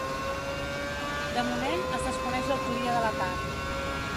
De moment, es desconeix l’autoria de l’atac.